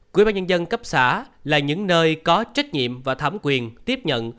quỹ ban nhân dân cấp xã là những nơi có trách nhiệm và thẩm quyền tiếp nhận